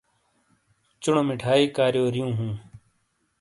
چونو مٹھائی کاریو ریوں ہوں۔